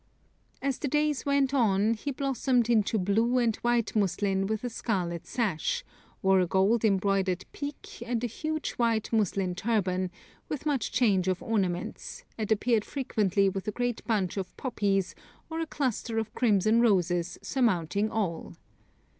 As the days went on he blossomed into blue and white muslin with a scarlet sash, wore a gold embroidered peak and a huge white muslin turban, with much change of ornaments, and appeared frequently with a great bunch of poppies or a cluster of crimson roses surmounting all.